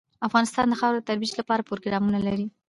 افغانستان د خاوره د ترویج لپاره پروګرامونه لري.